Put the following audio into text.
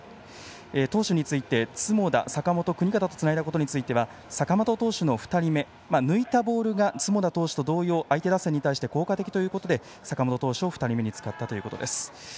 投手について積田、坂本、國方とつないだことについては坂本投手の２人目抜いたボールが積田投手と同様相手打線に対して効果的ということで坂本投手を２人目につかったということです。